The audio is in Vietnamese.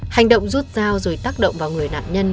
hành động rút dao rồi tác động vào người nạn nhân